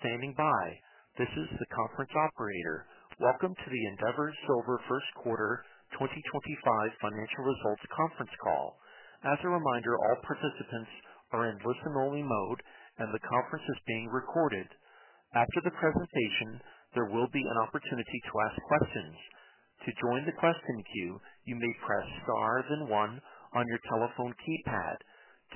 Standing by. This is the conference operator. Welcome to the Endeavour Silver First Quarter 2025 Financial Results Conference Call. As a reminder, all participants are in listen-only mode, and the conference is being recorded. After the presentation, there will be an opportunity to ask questions. To join the question queue, you may press star then one on your telephone keypad.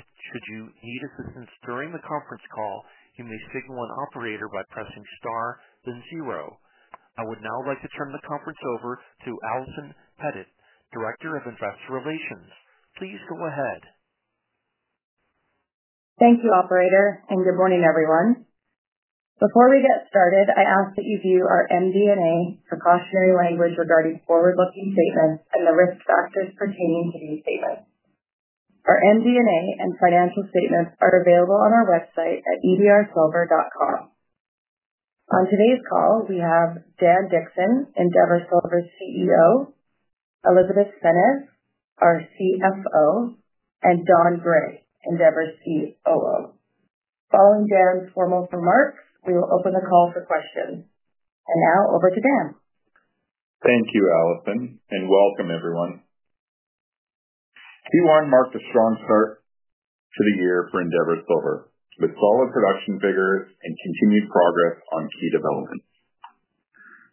Should you need assistance during the conference call, you may signal an operator by pressing star then zero. I would now like to turn the conference over to Allison Pettit, Director of Investor Relations. Please go ahead. Thank you, Operator, and good morning, everyone. Before we get started, I ask that you view our MD&A precautionary language regarding forward-looking statements and the risk factors pertaining to these statements. Our MD&A and financial statements are available on our website at edrsilver.com. On today's call, we have Dan Dickson, Endeavour Silver's CEO, Elizabeth Senez, our CFO, and Don Gray, Endeavour's COO. Following Dan's formal remarks, we will open the call for questions. Now, over to Dan. Thank you, Allison, and welcome, everyone. Q1 marked a strong start to the year for Endeavour Silver, with solid production figures and continued progress on key developments.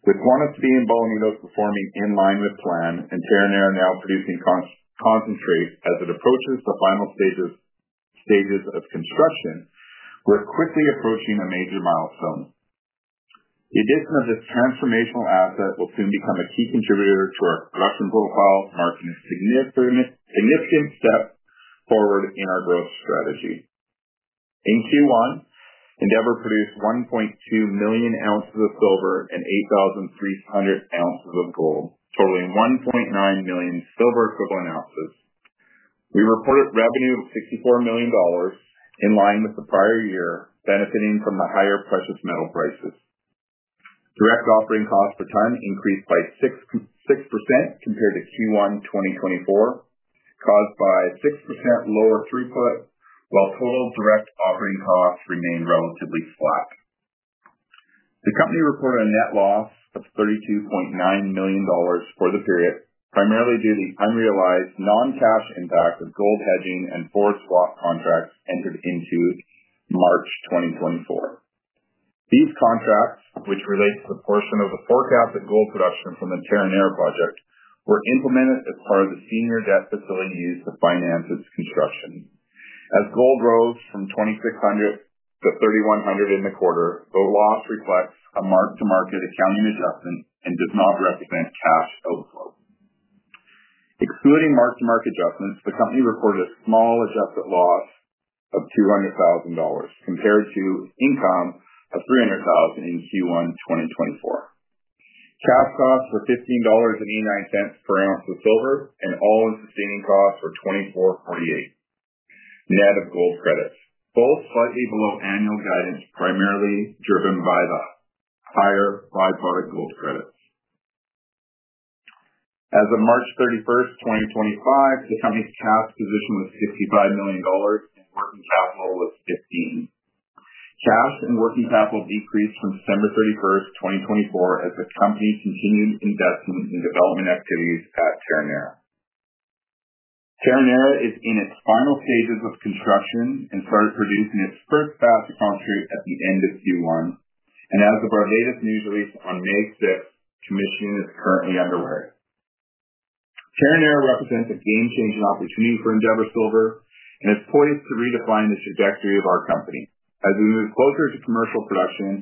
With Guanaceví and Bolañitos performing in line with plan and Terronera now producing concentrates as it approaches the final stages of construction, we're quickly approaching a major milestone. The addition of this transformational asset will soon become a key contributor to our production profile, marking a significant step forward in our growth strategy. In Q1, Endeavour produced 1.2 million ounces of silver and 8,300 ounces of gold, totaling 1.9 million silver-equivalent ounces. We reported revenue of $64 million in line with the prior year, benefiting from the higher precious metal prices. Direct operating costs per ton increased by 6% compared to Q1 2024, caused by a 6% lower throughput, while total direct operating costs remained relatively flat. The company reported a net loss of $32.9 million for the period, primarily due to the unrealized non-cash impact of gold hedging and forward swap contracts entered into March 2024. These contracts, which relate to the portion of the forecasted gold production from the Terronera project, were implemented as part of the senior debt facility used to finance its construction. As gold rose from $2,600 to $3,100 in the quarter, the loss reflects a mark-to-market accounting adjustment and does not represent cash outflow. Excluding mark-to-market adjustments, the company reported a small adjusted loss of $200,000 compared to income of $300,000 in Q1 2024. Cash costs were $15.89 per ounce of silver, and all-in sustaining costs were $2,448 net of gold credits, both slightly below annual guidance, primarily driven by the higher bipartite gold credits. As of March 31st, 2025, the company's cash position was $65 million, and working capital was $15 million. Cash and working capital decreased from December 31, 2024, as the company continued investing in development activities at Terronera. Terronera is in its final stages of construction and started producing its first batch of concentrates at the end of Q1, and as of our latest news release on May 6, commissioning is currently underway. Terronera represents a game-changing opportunity for Endeavour Silver and is poised to redefine the trajectory of our company. As we move closer to commercial production,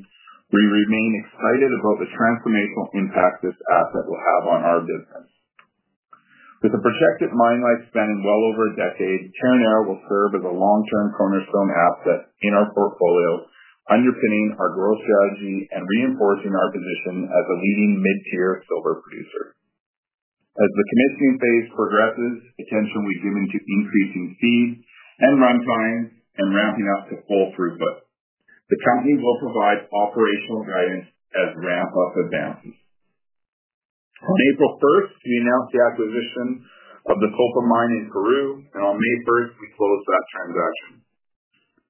we remain excited about the transformational impact this asset will have on our business. With a projected mine life spanning well over a decade, Terronera will serve as a long-term cornerstone asset in our portfolio, underpinning our growth strategy and reinforcing our position as a leading mid-tier silver producer. As the commissioning phase progresses, attention will be given to increasing fees and run times and ramping up to full throughput. The company will provide operational guidance as ramp-up advances. On April 1st, we announced the acquisition of the Kolpa mine in Peru, and on May 1st, we closed that transaction.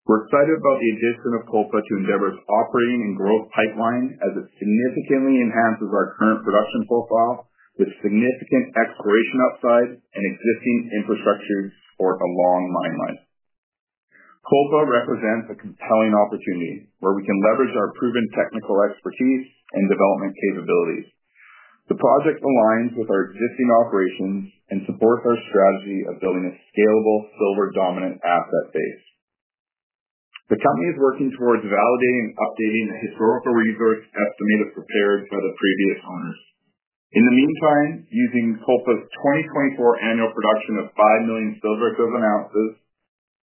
We're excited about the addition of Kolpa to Endeavour's operating and growth pipeline as it significantly enhances our current production profile with significant exploration upside and existing infrastructure for a long mine life. Kolpa represents a compelling opportunity where we can leverage our proven technical expertise and development capabilities. The project aligns with our existing operations and supports our strategy of building a scalable silver-dominant asset base. The company is working towards validating and updating the historical resource estimate prepared by the previous owners. In the meantime, using Kolpa's 2024 annual production of 5 million silver-equivalent ounces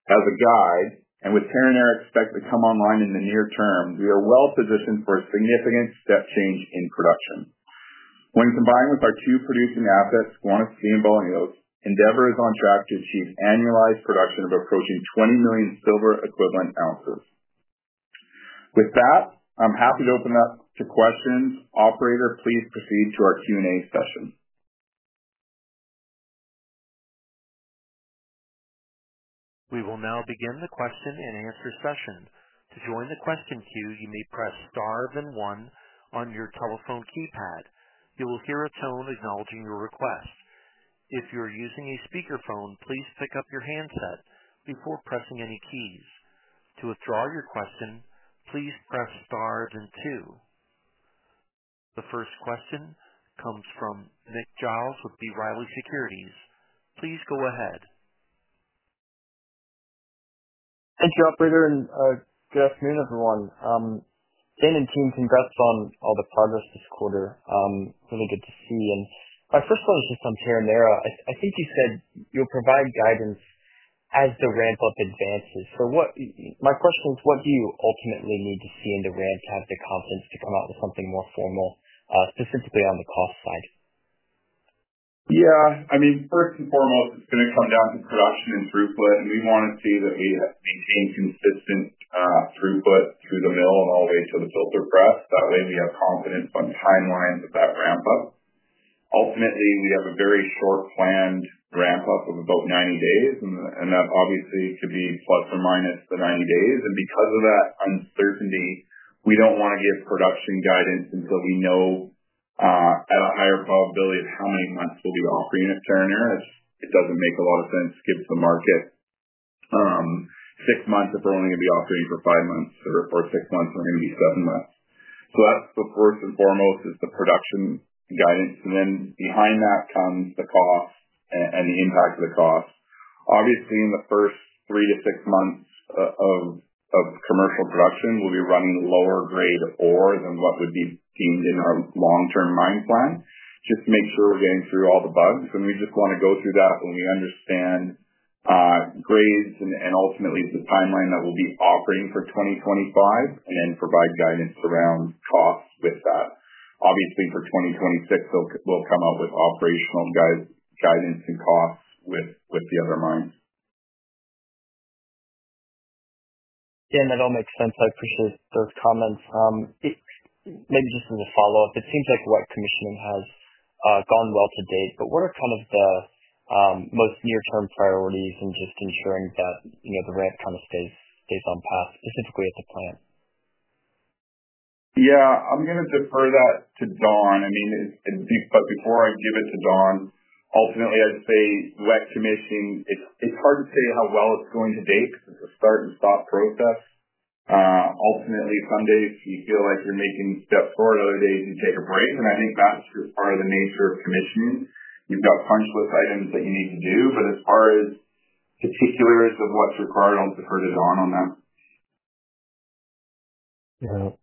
as a guide and with Terronera expected to come online in the near term, we are well positioned for a significant step change in production. When combined with our two producing assets, Guanaceví and Bolañitos, Endeavour is on track to achieve annualized production of approaching 20 million silver-equivalent ounces. With that, I'm happy to open up to questions. Operator, please proceed to our Q&A session. We will now begin the question and answer session. To join the question queue, you may press star then one on your telephone keypad. You will hear a tone acknowledging your request. If you're using a speakerphone, please pick up your handset before pressing any keys. To withdraw your question, please press star then two. The first question comes from Nick Giles with B. Riley Securities. Please go ahead. Thank you, Operator, and good afternoon, everyone. Dan and team, congrats on all the progress this quarter. Really good to see. My first question is just on Terronera. I think you said you'll provide guidance as the ramp-up advances. My question is, what do you ultimately need to see in the ramp to have the confidence to come out with something more formal, specifically on the cost side? Yeah. I mean, first and foremost, it's going to come down to production and throughput, and we want to see that we maintain consistent throughput through the mill and all the way to the filter press. That way, we have confidence on timelines of that ramp-up. Ultimately, we have a very short planned ramp-up of about 90 days, and that obviously could be plus or minus the 90 days. Because of that uncertainty, we don't want to give production guidance until we know at a higher probability of how many months we'll be operating at Terronera. It doesn't make a lot of sense to give to the market six months if we're only going to be operating for five months, or if we're six months, we're going to be seven months. That's the first and foremost, is the production guidance. Then behind that comes the cost and the impact of the cost. Obviously, in the first three to six months of commercial production, we'll be running lower-grade ore than what would be deemed in our long-term mine plan, just to make sure we're getting through all the bugs. We just want to go through that when we understand grades and ultimately the timeline that we'll be offering for 2025, and then provide guidance around costs with that. Obviously, for 2026, we'll come out with operational guidance and costs with the other mines. Dan, that all makes sense. I appreciate those comments. Maybe just as a follow-up, it seems like wet commissioning has gone well to date, but what are kind of the most near-term priorities in just ensuring that the ramp kind of stays on path, specifically at the plant? Yeah. I'm going to defer that to Don. I mean, before I give it to Don, ultimately, I'd say wet commissioning, it's hard to say how well it's going to date because it's a start-and-stop process. Ultimately, some days you feel like you're making steps forward; other days, you take a break. I think that's just part of the nature of commissioning. You've got punch list items that you need to do, but as far as particulars of what's required, I'll defer to Don on that. Yeah.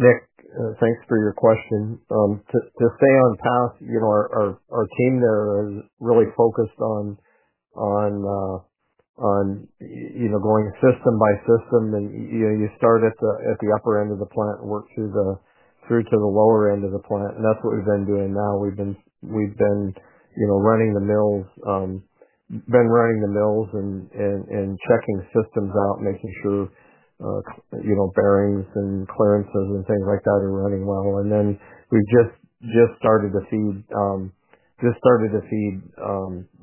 Nick, thanks for your question. To stay on path, our team there is really focused on going system by system, and you start at the upper end of the plant and work through to the lower end of the plant. That is what we have been doing now. We have been running the mills, running the mills and checking systems out, making sure bearings and clearances and things like that are running well. We have just started to feed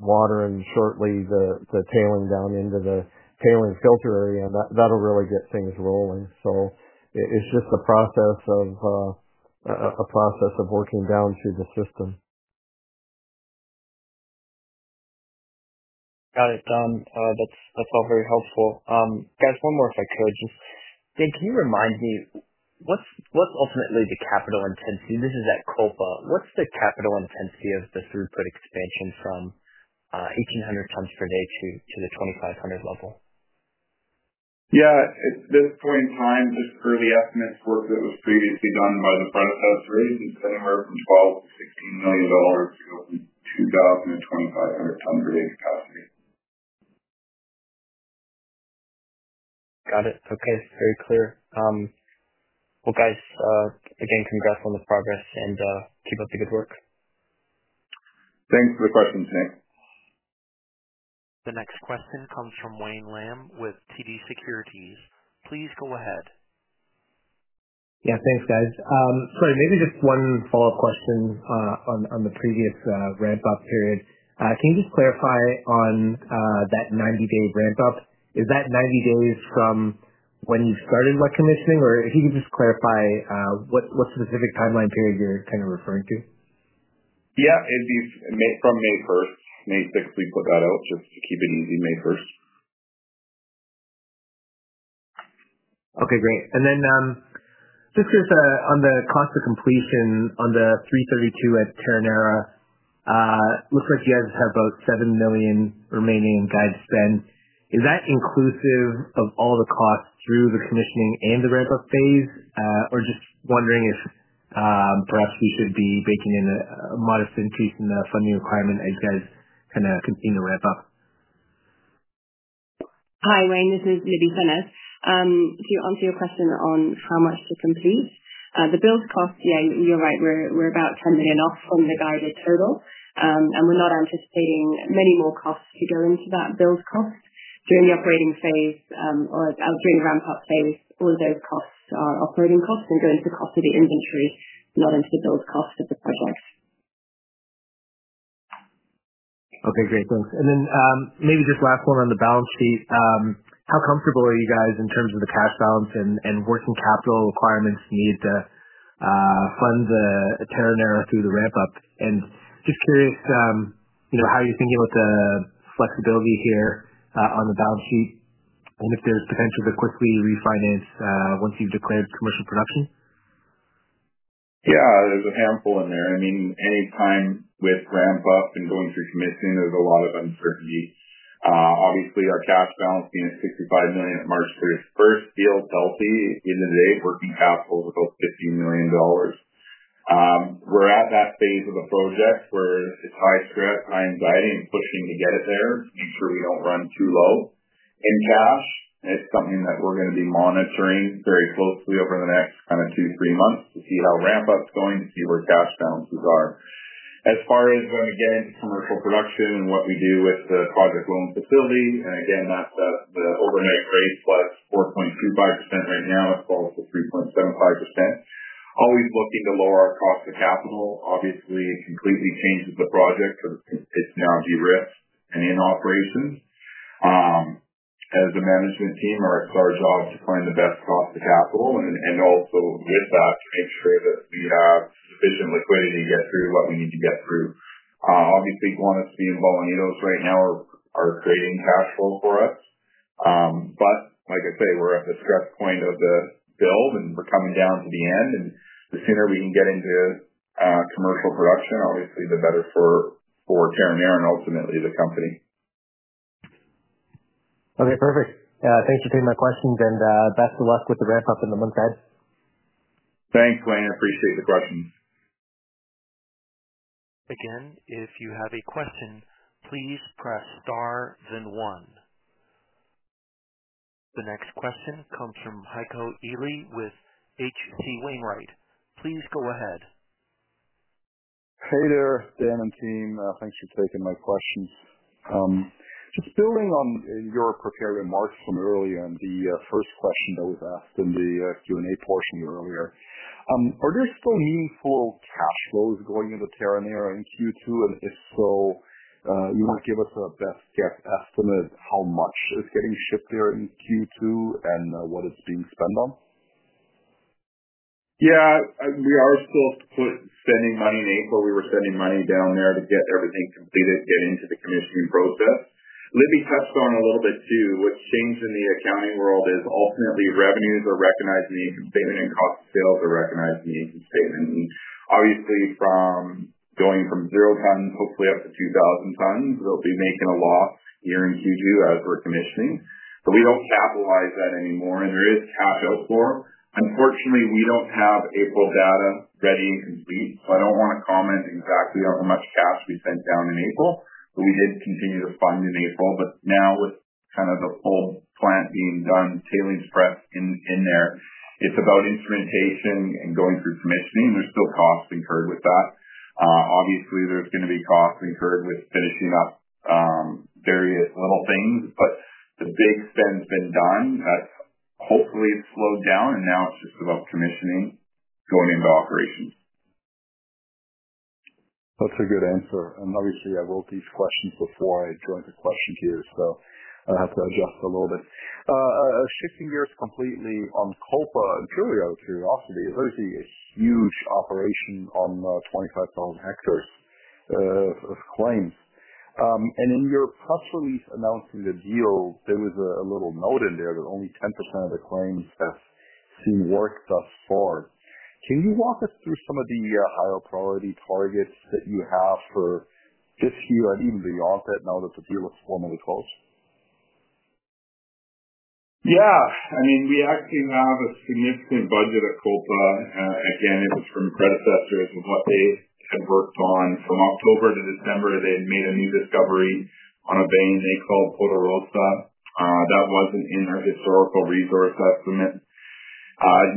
water and shortly the tailing down into the tailing filter area, and that will really get things rolling. It is just a process of working down through the system. Got it, Don. That's all very helpful. Guys, one more if I could. Just Nick, can you remind me, what's ultimately the capital intensity? This is at Kolpa. What's the capital intensity of the throughput expansion from 1,800 tons per day to the 2,500 level? Yeah. At this point in time, just early estimates work that was previously done by the predecessors is anywhere from $12 million-$16 million to go from 2,000 to 2,500 tons per day capacity. Got it. Okay. Very clear. Guys, again, congrats on the progress and keep up the good work. Thanks for the questions, Nick. The next question comes from Wayne Lam with TD Securities. Please go ahead. Yeah. Thanks, guys. Sorry, maybe just one follow-up question on the previous ramp-up period. Can you just clarify on that 90-day ramp-up? Is that 90 days from when you started wet commissioning, or if you could just clarify what specific timeline period you're kind of referring to? Yeah. It'd be from May 1st. May 6th, we put that out just to keep it easy, May 1st. Okay. Great. Then just on the cost of completion on the 332 at Terronera, looks like you guys have about $7 million remaining in guide spend. Is that inclusive of all the costs through the commissioning and the ramp-up phase, or just wondering if perhaps we should be baking in a modest increase in the funding requirement as you guys kind of continue to ramp up? Hi, Wayne. This is Libby Senez. To answer your question on how much to complete, the build cost, yeah, you're right. We're about $10 million off from the guided total, and we're not anticipating many more costs to go into that build cost. During the operating phase or during the ramp-up phase, all of those costs are operating costs and go into the cost of the inventory, not into the build cost of the project. Okay. Great. Thanks. Maybe just last one on the balance sheet. How comfortable are you guys in terms of the cash balance and working capital requirements needed to fund the Terronera through the ramp-up? Just curious how you're thinking about the flexibility here on the balance sheet and if there's potential to quickly refinance once you've declared commercial production? Yeah. There's a handful in there. I mean, any time with ramp-up and going through commissioning, there's a lot of uncertainty. Obviously, our cash balance being at $65 million at March 31st feels healthy. At the end of the day, working capital is about $15 million. We're at that phase of the project where it's high stress, high anxiety, and pushing to get it there to make sure we don't run too low in cash. It's something that we're going to be monitoring very closely over the next kind of two, three months to see how ramp-up's going, to see where cash balances are. As far as when we get into commercial production and what we do with the project loan facility, and again, that's the overnight rate plus 4.25% right now as well as the 3.75%. Always looking to lower our cost of capital. Obviously, it completely changes the project because it's now de-risked and in operations. As a management team, it's our job to find the best cost of capital and also with that to make sure that we have sufficient liquidity to get through what we need to get through. Obviously, Guanaceví and Bolañitos right now are creating cash flow for us. Like I say, we're at the stress point of the build, and we're coming down to the end. The sooner we can get into commercial production, obviously, the better for Terronera and ultimately the company. Okay. Perfect. Thanks for taking my questions, and best of luck with the ramp-up in the month ahead. Thanks, Wayne. I appreciate the questions. Again, if you have a question, please press star then one. The next question comes from Heiko Ihle with H.C. Wainwright. Please go ahead. Hey there, Dan and team. Thanks for taking my questions. Just building on your prepared remarks from earlier and the first question that was asked in the Q&A portion earlier, are there still meaningful cash flows going into Terronera in Q2? If so, you want to give us a best guess estimate how much is getting shipped there in Q2 and what it's being spent on? Yeah. We are still spending money in April. We were spending money down there to get everything completed, get into the commissioning process. Libby touched on a little bit too. What has changed in the accounting world is ultimately revenues are recognized in the income statement, and cost of sales are recognized in the income statement. Obviously, going from zero tons, hopefully up to 2,000 tons, we will be making a loss here in Q2 as we are commissioning. We do not capitalize that anymore, and there is cash outflow. Unfortunately, we do not have April data ready and complete, so I do not want to comment exactly on how much cash we sent down in April. We did continue to fund in April. Now with kind of the whole plant being done, tailings press in there, it is about instrumentation and going through commissioning. There are still costs incurred with that. Obviously, there's going to be costs incurred with finishing up various little things, but the big spends been done. Hopefully, it's slowed down, and now it's just about commissioning going into operations. That's a good answer. Obviously, I wrote these questions before I joined the question queue, so I'll have to adjust a little bit. Shifting gears completely on Kolpa and purely out of curiosity, it's obviously a huge operation on 25,000 hectares of claims. In your press release announcing the deal, there was a little note in there that only 10% of the claims have seen work thus far. Can you walk us through some of the higher priority targets that you have for this year and even beyond that now that the deal is formally closed? Yeah. I mean, we actually have a significant budget at Kolpa again, it was from predecessors of what they had worked on. From October to December, they had made a new discovery on a vein they called Puerto Rosa. That was not in our historical resource estimate.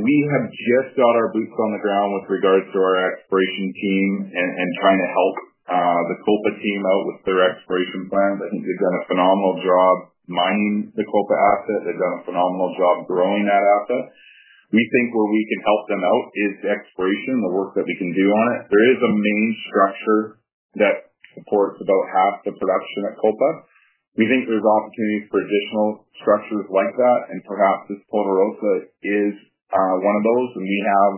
We have just got our boots on the ground with regards to our exploration team and trying to help the Kolpa team out with their exploration plans. I think they have done a phenomenal job mining the Kolpa asset. They have done a phenomenal job growing that asset. We think where we can help them out is exploration, the work that we can do on it. There is a main structure that supports about half the production at Kolpa. We think there are opportunities for additional structures like that, and perhaps this Puerto Rosa is one of those. We have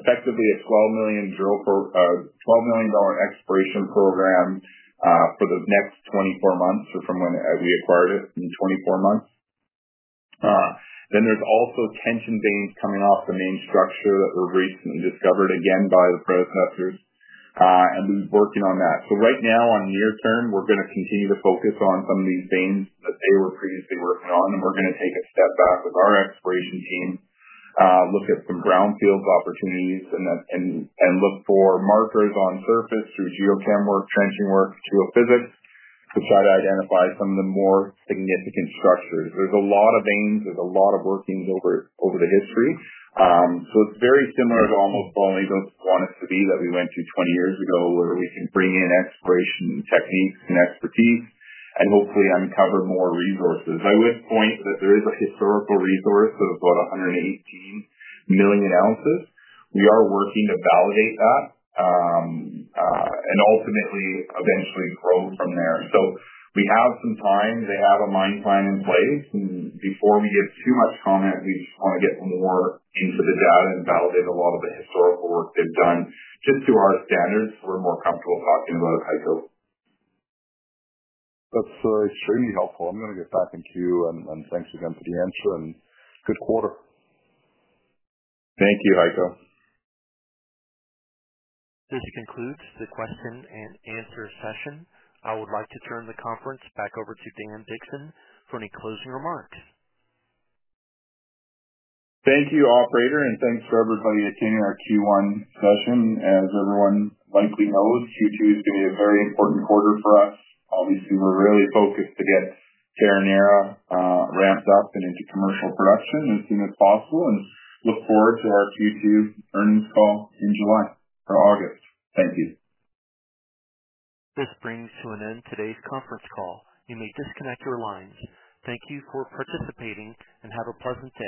effectively a $12 million exploration program for the next 24 months or from when we acquired it in 24 months. There are also tension veins coming off the main structure that were recently discovered again by the predecessors, and we have been working on that. Right now, in the near term, we are going to continue to focus on some of these veins that they were previously working on, and we are going to take a step back with our exploration team, look at some brownfields opportunities, and look for markers on surface through geochem work, trenching work, geophysics to try to identify some of the more significant structures. There are a lot of veins. There are a lot of workings over the history. It's very similar to almost Bolañitos' quantity that we went to 20 years ago where we can bring in exploration techniques and expertise and hopefully uncover more resources. I would point that there is a historical resource of about 118 million ounces. We are working to validate that and ultimately eventually grow from there. We have some time. They have a mine plan in place. Before we give too much comment, we just want to get more into the data and validate a lot of the historical work they've done. Just to our standards, we're more comfortable talking about it, Heiko. That's extremely helpful. I'm going to get back in queue, and thanks again for the answer and good quarter. Thank you, Heiko. This concludes the question and answer session. I would like to turn the conference back over to Dan Dickson for any closing remarks. Thank you, Operator, and thanks for everybody attending our Q1 session. As everyone likely knows, Q2 is going to be a very important quarter for us. Obviously, we're really focused to get Terronera ramped up and into commercial production as soon as possible and look forward to our Q2 earnings call in July or August. Thank you. This brings to an end today's conference call. You may disconnect your lines. Thank you for participating and have a pleasant day.